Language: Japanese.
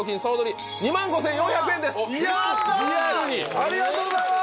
ありがとうございます！